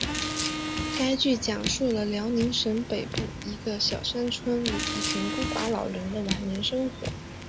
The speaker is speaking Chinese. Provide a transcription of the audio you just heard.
该剧讲述辽宁省北部一个小山村里一群孤寡老人的晚年生活。